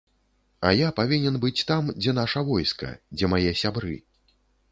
А я павінен быць там, дзе наша войска, дзе мае сябры.